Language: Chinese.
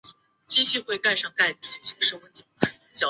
对土星卫星的研究也随着望远镜的进步而越来越方便。